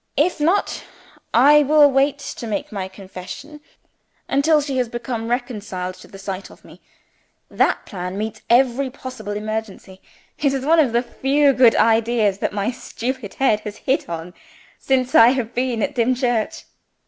If not, I will wait to make my confession until she has become reconciled to the sight of me. That plan meets every possible emergency. It is one of the few good ideas that my stupid head has hit on since I have been at Dimchurch."